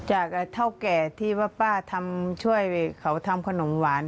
จากเท่าแก่ที่ว่าป้าทำช่วยเขาทำขนมหวาน